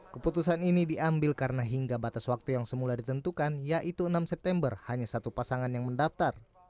keputusan ini diambil karena hingga batas waktu yang semula ditentukan yaitu enam september hanya satu pasangan yang mendaftar